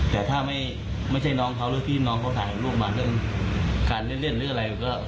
แต่ถ้าไม่ใช่น้องเขาหรือพี่น้องเขาถ่ายรูปมาเรื่องการเล่นหรืออะไรก็